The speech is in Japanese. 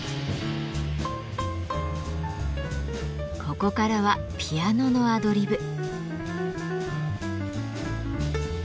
ここからはピアノのアドリブ。